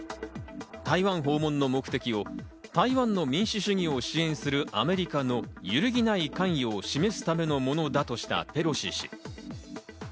台湾訪問の目的を、台湾の民主主義を支援するアメリカの揺るぎない関与を示すためのものだとしたペロシ氏。